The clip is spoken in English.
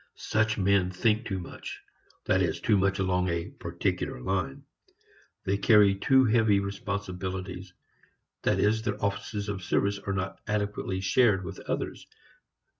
Such men think too much, that is, too much along a particular line. They carry too heavy responsibilities; that is, their offices of service are not adequately shared with others.